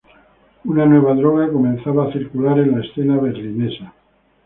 Una nueva droga comenzaba a circular en la escena berlinesa.